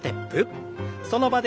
その場で。